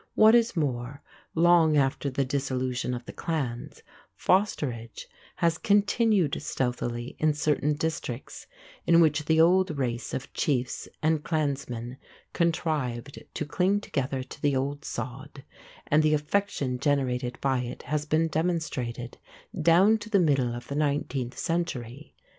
What is more, long after the dissolution of the clans, fosterage has continued stealthily in certain districts in which the old race of chiefs and clansmen contrived to cling together to the old sod; and the affection generated by it has been demonstrated, down to the middle of the nineteenth century.